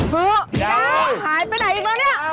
หือดามหายไปไหนอีกแล้ว